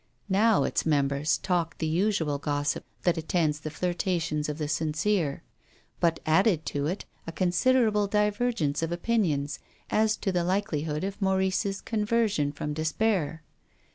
Now its members talked the usual gossip that attends the flirtations of the sincere, but added to it a considerable divergence of opinions as to the likelihood of Maurice's con version from despair.